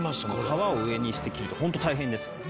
皮を上にして切るってホント大変ですからね。